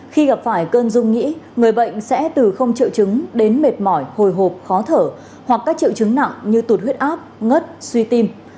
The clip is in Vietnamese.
khi gặp phải cơn dung nhĩ người bệnh sẽ từ không triệu chứng đến mệt mỏi hồi hộp khó thở hoặc các triệu chứng nặng như tụt huyết áp ngất suy tim